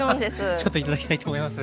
ちょっと頂きたいと思います。